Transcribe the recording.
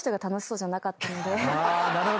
なるほど。